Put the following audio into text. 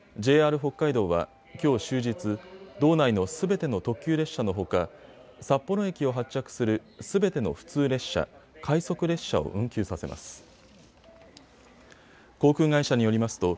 ＪＲ北海道はきょう終日、道内のすべての特急列車のほか札幌駅を発着するすべての普通列車、快速列車を運休させます。